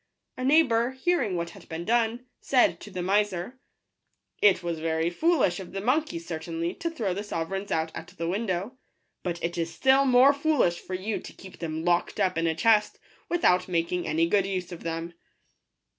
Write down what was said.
A neighbour, hearing what had been done, said to the miser, $t It was very foolish of the monkey, certainly, to throw the sove reigns out at the window ; but it is still more foolish for you to keep them locked up in a chest, without making any good use of them."